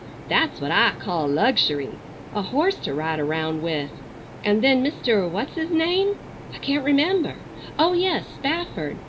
That's what I call luxury—a horse to ride around with. And then Mr. What's his name? I can't remember. Oh, yes, Spafford.